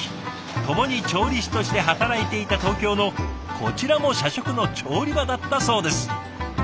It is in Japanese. ともに調理師として働いていた東京のこちらも社食の調理場だったそうです。